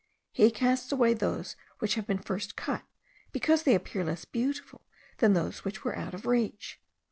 He casts away those which have been first cut, because they appear less beautiful than those which were out of reach.